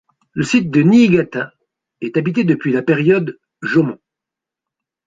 Le site de Niigata est habité depuis la période Jōmon.